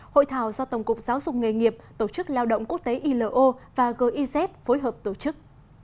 hội thảo do tổng cục giáo dục nghề nghiệp tổ chức lao động quốc tế ilo và giz phối hợp tổ chức